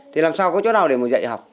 thì làm sao có chỗ nào để dạy học